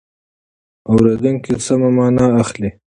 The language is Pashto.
اورېدونکی سمه مانا اخلي.